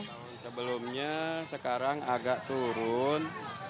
tahun sebelumnya sekarang agak turun